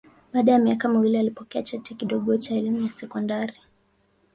Baada ya miaka miwili alipokea cheti kidogo cha elimu ya sekondari.